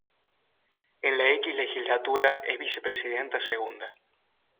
En la X legislatura es Vicepresidenta Segunda.